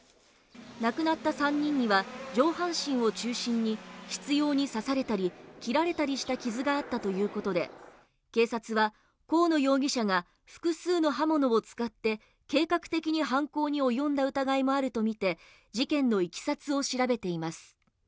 亡くなった３人には上半身を中心に執拗に刺されたり切られたりした傷があったということで警察は高野容疑者が複数の刃物を使って計画的に犯行に及んだ疑いもあると見て事件のいきさつを調べています